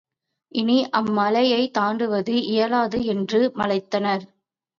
இனி அம்மலையைத் தாண்டுவது இயலாது என்று மலைத்தனர்.